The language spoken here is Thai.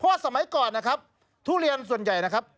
สมัยก่อนนะครับทุเรียนส่วนใหญ่นะครับ